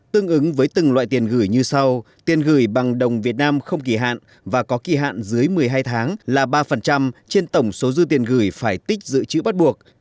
tương ứng với từng loại tiền gửi như sau tiền gửi bằng đồng việt nam không kỳ hạn và có kỳ hạn dưới một mươi hai tháng là ba trên tổng số dư tiền gửi phải tích dự trữ bắt buộc